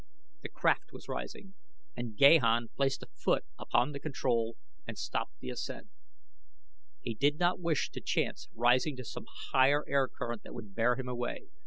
The craft was rising and Gahan placed a foot upon the control and stopped the ascent. He did not wish to chance rising to some higher air current that would bear him away.